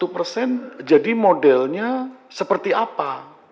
lima satu persen jadi modelnya seperti apa